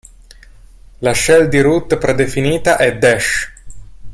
La shell di root predefinita è Dash.